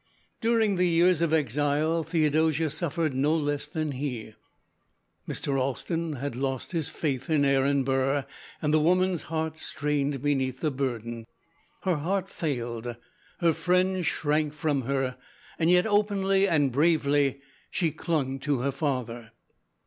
During the years of exile, Theodosia suffered no less than he. Mr. Alston had lost his faith in Aaron Burr, and the woman's heart strained beneath the burden. Her health failed, her friends shrank from her, yet openly and bravely she clung to her father.